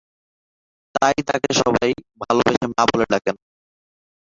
তাই তাকে সবাই ভালবেসে মা বলে ডাকেন।